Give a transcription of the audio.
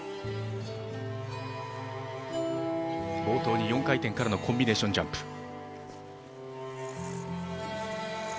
冒頭に４回転からのコンビネーションジャンプ。